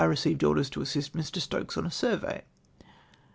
received orders to assist Mr. Stokes on a survey.